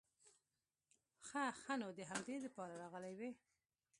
خه خه نو ته د همدې د پاره راغلې وې؟